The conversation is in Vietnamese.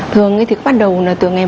thường thì bắt đầu là từ ngày